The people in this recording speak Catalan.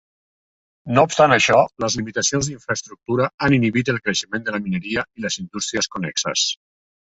No obstant això, les limitacions d'infraestructura han inhibit el creixement de la mineria i les indústries connexes.